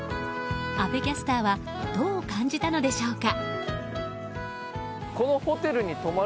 阿部キャスターはどう感じたのでしょうか。